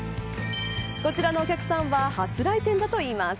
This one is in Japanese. こちらのお客さんは初来店だといいます。